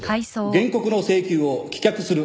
原告の請求を棄却する。